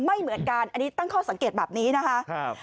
ไม่เหมือนกันอันนี้ตั้งข้อสังเกตแบบนี้นะคะ